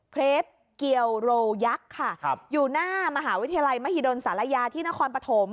เครปเกียวโรยักษ์ค่ะอยู่หน้ามหาวิทยาลัยมหิดลศาลายาที่นครปฐม